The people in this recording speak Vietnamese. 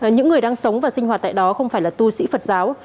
những người đang sống và sinh hoạt tại đó không phải là tu sĩ phật giáo